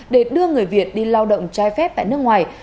để đưa người việt đi lao động trai phép tại nước ngoài